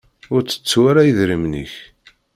Ur tettu ara idrimen-ik.